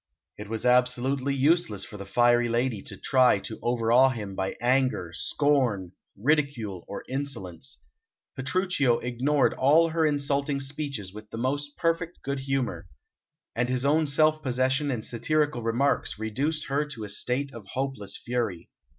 It was absolutely useless for the fiery lady to try to overawe him by anger, scorn, ridicule, or insolence. Petruchio ignored all her insulting speeches with the most perfect good humour, and his own self possession and satirical remarks reduced her to a state of hopeless fury.